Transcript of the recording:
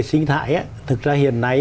sinh thái thực ra hiện nay